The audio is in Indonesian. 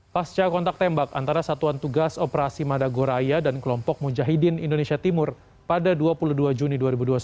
pasca kontak tembak antara satuan tugas operasi madagoraya dan kelompok mujahidin indonesia timur pada dua puluh dua juni dua ribu dua puluh satu